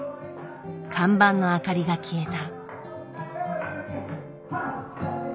看板の明かりが消えた。